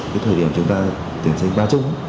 cái thời điểm chúng ta tuyển sinh ba trung